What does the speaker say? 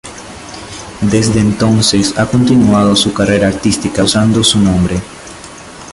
Desde entonces ha continuado su carrera artística usando su nombre.